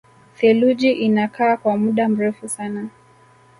Theluji inakaa kwa muda mrefu sana